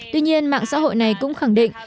tuy nhiên mạng xã hội này cũng khẳng định